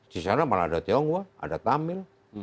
disana malah ada tionghoa ada tamil